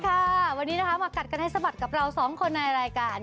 ค่ะวันนี้นะคะมากัดกันให้สะบัดกับเราสองคนในรายการ